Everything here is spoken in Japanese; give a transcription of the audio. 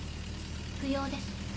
不要です。